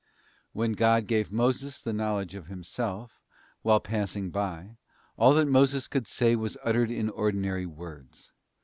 t When God gave Moses the knowledge of Himself, while passing by, all that Moses could say was uttered in ordinary words.